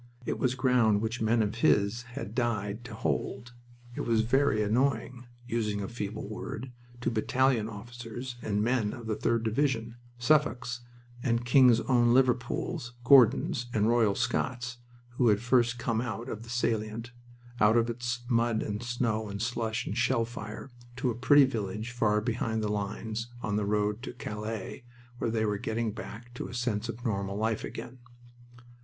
It was ground which men of his had died to hold. It was very annoying using a feeble word to battalion officers and men of the 3d Division Suffolks and King's Own Liverpools, Gordons and Royal Scots who had first come out of the salient, out of its mud and snow and slush and shell fire, to a pretty village far behind the lines, on the road to Calais, where they were getting back to a sense of normal life again.